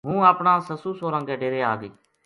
ہوں اپنا سسُو سوہراں کے ڈیرے آگئی